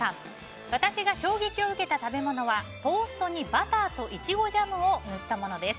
私が衝撃を受けた食べ物はトーストにバターとイチゴジャムを塗ったものです。